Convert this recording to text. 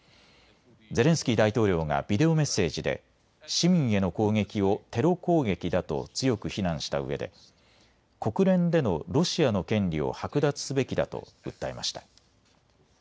ゼレンスキー大統領がビデオメッセージで市民への攻撃をテロ攻撃だと強く非難したうえで国連でのロシアの権利を剥奪すべきだと訴えました。